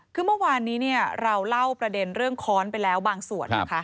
คือเมื่อวานนี้เราเล่าประเด็นเรื่องค้อนไปแล้วบางส่วนนะคะ